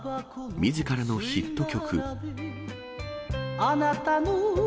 みずからのヒット曲。